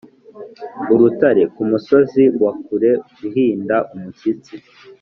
urutare kumusozi wa kure uhinda umushyitsi,